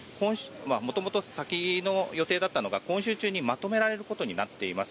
元々、先の予定だったのが今週中にまとめられることになっています。